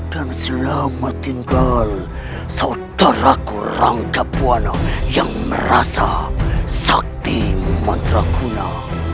dan selamat tinggal saudaraku rangka buana yang merasa sakti mantra guna